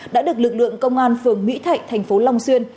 đã được lực lượng công an phường mỹ thạnh thành phố long xuyên